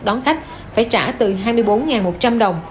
đón khách phải trả từ hai mươi bốn một trăm linh đồng